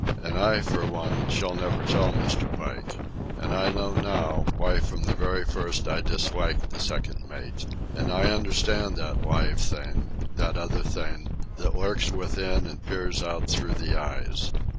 And I, for one, shall never tell Mr. Pike. And I know, now, why from the very first I disliked the second mate. And I understand that live thing, that other thing, that lurks within and peers out through the eyes.